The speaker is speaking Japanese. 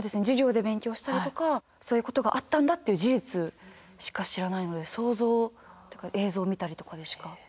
授業で勉強したりとかそういうことがあったんだっていう事実しか知らないので想像とか映像を見たりとかでしか。